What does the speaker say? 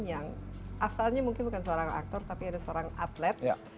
yang asalnya mungkin bukan seorang aktor tapi ada seorang atlet